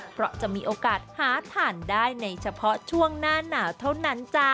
เพราะจะมีโอกาสหาทานได้ในเฉพาะช่วงหน้าหนาวเท่านั้นจ้า